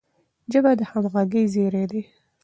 ژبه د همږغی زیری دی.